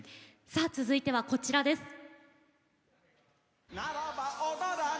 続いては、こちらです。